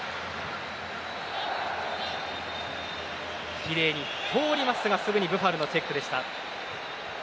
きれいに通りますがすぐにブファルのチェックでした。